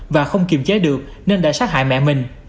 và không kiềm chế được nên đã sát hại mẹ mình